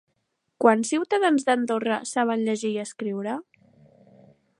Quants ciutadans d'Andorra saben llegir i escriure?